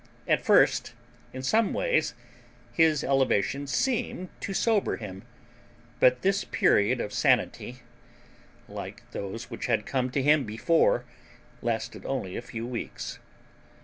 At first in some ways his elevation seemed to sober him; but this period of sanity, like those which had come to him before, lasted only a few weeks.